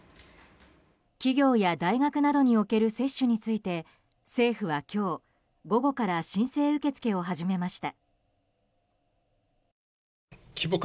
企業や大学における接種について政府は今日午後から申請受け付けを始めました。